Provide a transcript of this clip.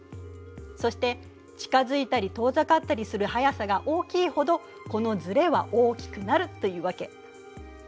そして近づいたり遠ざかったりする速さが大きいほどこのずれは大きくなるというわけ。